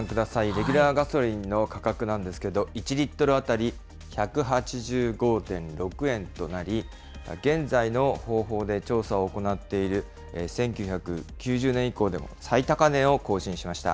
レギュラーガソリンの価格なんですけど、１リットル当たり１８５．６円となり、現在の方法で調査を行っている１９９０年以降で最高値を更新しました。